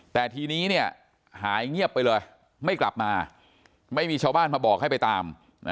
แต่ทีนี้เนี่ยหายเงียบไปเลยไม่กลับมาไม่มีชาวบ้านมาบอกให้ไปตาม